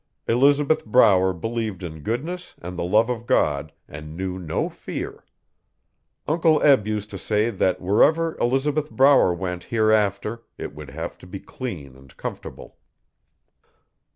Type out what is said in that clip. Elizabeth Brower believed in goodness and the love of God, and knew no fear. Uncle Eb used to say that wherever Elizabeth Brower went hereafter it would have to be clean and comfortable.